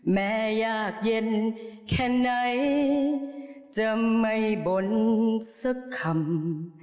แม่ยากเย็นแค่ไหนจะไม่บ่นสักคำ